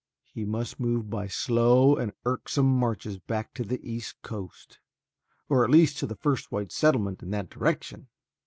He must move by slow and irksome marches back to the east coast, or at least to the first white settlement in that direction.